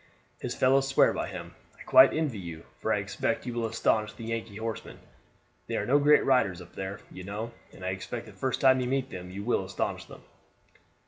His fellows swear by him. I quite envy you, for I expect you will astonish the Yankee horsemen. They are no great riders up there, you know, and I expect the first time you meet them you will astonish them."